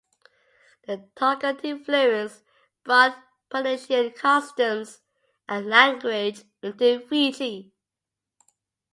The Tongan influence brought Polynesian customs and language into Fiji.